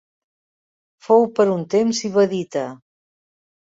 Fou per un temps ibadita.